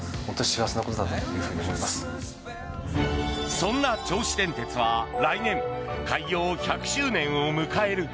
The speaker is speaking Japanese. そんな銚子電鉄は来年開業１００周年を迎える。